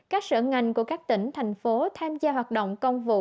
các sở ngành của các tỉnh thành phố tham gia hoạt động công vụ